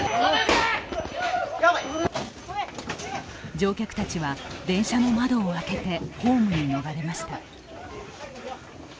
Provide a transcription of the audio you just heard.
乗客たちは電車の窓を開けてホームに逃れました。